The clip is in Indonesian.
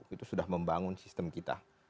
itu sudah membangun sistem kita